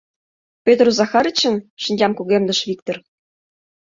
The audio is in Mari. — Пӧтыр Захарычын?! — шинчам кугемдыш Виктыр.